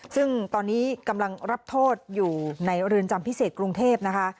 ซึ่งตอนนี้กำลังรับโทษอยู่ในเรือนจำพิเศษกรุงเทพนะคะ